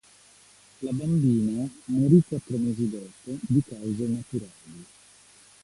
La bambina morì quattro mesi dopo di cause naturali.